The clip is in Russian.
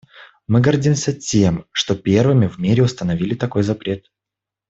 Мы гордимся тем, что первыми в мире установили такой запрет.